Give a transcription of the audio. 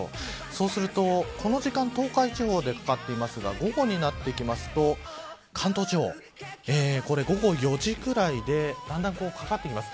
そうするとこの時間、東海地方でかかっていますが午後になってきますと関東地方午後４時ぐらいでだんだん掛かってきます。